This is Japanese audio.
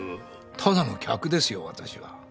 ただの客ですよ私は。